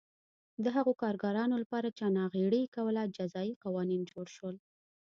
د هغو کارګرانو لپاره چې ناغېړي یې کوله جزايي قوانین جوړ شول